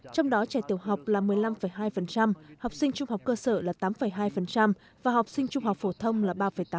trong đó trẻ tiểu học là một mươi năm hai học sinh trung học cơ sở là tám hai và học sinh trung học phổ thông là ba tám